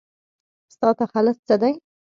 ستا تخلص څه دی ؟